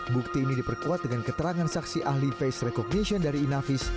bukti ini diperkuat dengan keterangan saksi ahli face recognition dari inavis